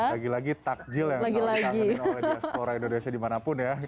lagi lagi takjil yang selalu dikangenin oleh diaspora indonesia dimanapun ya